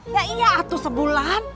ya iya tuh sebulan